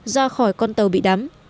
ra khỏi con tàu bị đắm